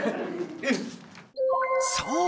そう！